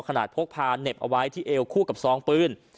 พกพาเหน็บเอาไว้ที่เอวคู่กับซองปืน